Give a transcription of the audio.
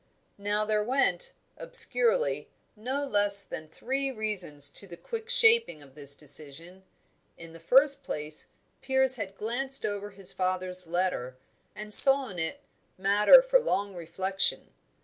Now there went, obscurely, no less than three reasons to the quick shaping of this decision. In the first place, Piers had glanced over his father's letter, and saw in it matter for long reflection.